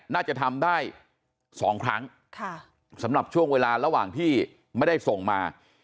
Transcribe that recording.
น่าจะทำได้๒ครั้งสำหรับช่วงเวลาระหว่างที่ไม่ได้ส่งมา